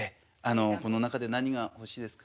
この中で何が欲しいですか？